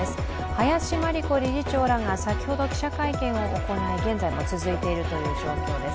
林真理子理事長らが先ほど記者会見を行い現在も続いているという状況です。